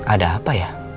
ada apa ya